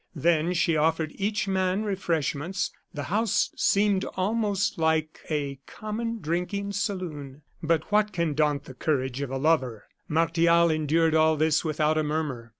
Then she offered each man refreshments the house seemed almost like a common drinking saloon. But what can daunt the courage of a lover? Martial endured all this without a murmur.